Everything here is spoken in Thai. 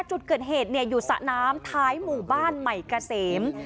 จุดเกิดเหตุอยู่สระน้ำท้ายหมู่บ้านใหม่เกษม